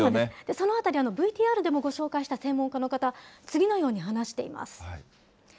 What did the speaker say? そのあたり、ＶＴＲでもご紹介した専門家の方、次のように話しています。